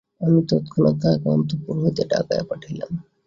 আমি তৎক্ষণাৎ তাহাকে অন্তঃপুর হইতে ডাকাইয়া পাঠাইলাম।